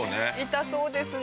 痛そうですね。